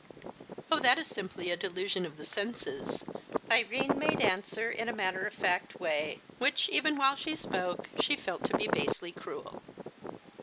"Oh, that is simply a delusion of the senses," Irene made answer in a matter of fact way, which, even while she spoke, she felt to be basely cruel.